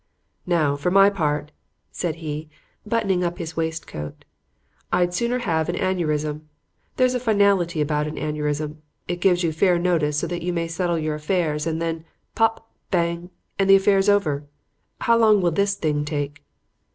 "Now, for my part," said he, buttoning up his waistcoat, "I'd sooner have had an aneurysm. There's a finality about an aneurysm. It gives you fair notice so that you may settle your affairs, and then, pop! bang! and the affair's over. How long will this thing take?"